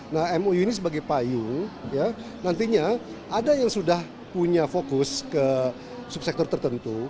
nah mou ini sebagai payung ya nantinya ada yang sudah punya fokus ke subsektor tertentu